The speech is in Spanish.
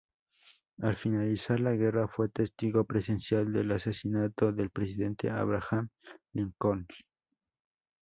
Al finalizar la guerra fue testigo presencial del asesinato del presidente Abraham Lincoln.